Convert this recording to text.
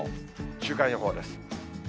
週間予報です。